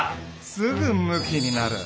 すぐムキになる。